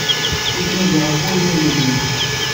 Yettnadi ɣef wayen ur yellin.